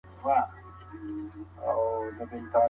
تاسي باید خپلي پوهني ته نوره هم پاملرنه وکړئ چي بریالي سئ.